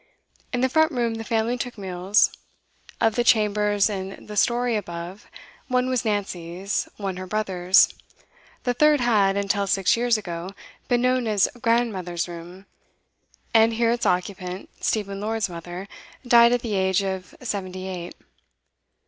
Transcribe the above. In the front room the family took meals. Of the chambers in the storey above, one was Nancy's, one her brother's; the third had, until six years ago, been known as 'Grandmother's room,' and here its occupant, Stephen Lord's mother, died at the age of seventy eight.